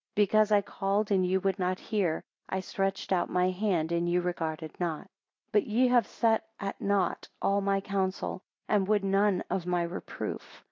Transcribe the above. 19 Because I called and ye would not hear, I stretched out my hand and ye regarded not. 20 But ye have set at nought all my counsel, and would none of my reproof.